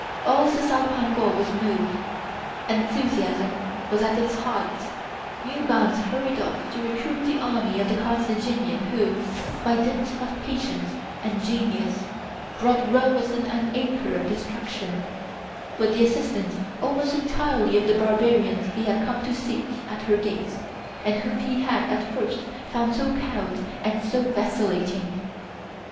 All Cisalpine Gaul was moved; enthusiasm was at its height; new bands hurried off to recruit the army of the Carthaginian who, by dint of patience and genius, brought Rome within an ace of destruction, with the assistance almost entirely of the barbarians he had come to seek at her gates, and whom he had at first found so cowed and so vacillating.